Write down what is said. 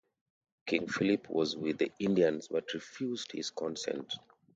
King Philip was with the Indians but refused his consent.